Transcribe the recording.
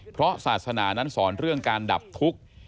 เพราะศาสนานั้นสอนเรื่องการดับทุกข์